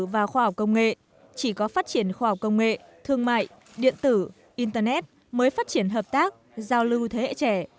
và khoa học công nghệ chỉ có phát triển khoa học công nghệ thương mại điện tử internet mới phát triển hợp tác giao lưu thế hệ trẻ